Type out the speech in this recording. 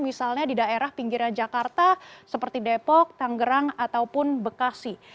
misalnya di daerah pinggirnya jakarta seperti depok tanggerang ataupun bekasi